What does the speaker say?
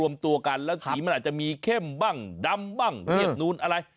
มันอาจจะมีเข้มบ้างดำบ้างเหนียบนู้นอะไร